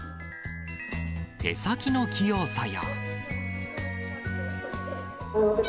手先の器用さや。